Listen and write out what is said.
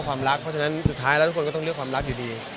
เพราะฉะนั้นสุดท้ายแล้วทุกคนก็ต้องเลือกความรักอยู่ดี